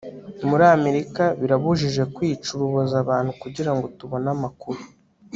Muri Amerika birabujijwe kwica urubozo abantu kugirango tubone amakuru